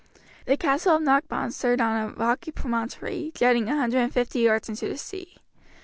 The castle of Knockbawn stood on a rocky promontory, jutting a hundred and fifty yards into the sea.